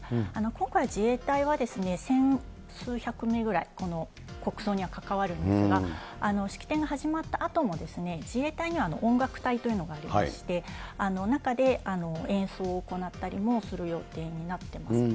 今回、自衛隊は千数百名ぐらい、この国葬にはかかわるんですが、式典が始まったあとも、自衛隊には音楽隊というのがありまして、中で演奏を行ったりもする予定になっています。